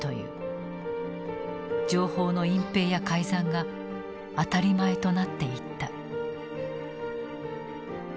情報の隠蔽や改ざんが当たり前となっていった。